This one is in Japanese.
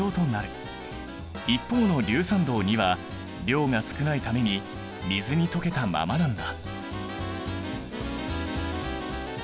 一方の硫酸銅は量が少ないために水に溶けたままなんだ。